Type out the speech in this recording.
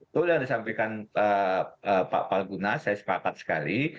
itu yang disampaikan pak paguna saya sepakat sekali